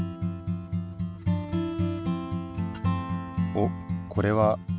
おっこれは。